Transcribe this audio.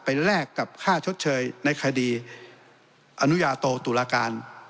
แลกกับค่าชดเชยในคดีอนุญาโตตุลาการ